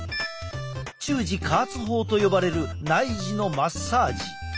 中耳加圧法と呼ばれる内耳のマッサージ。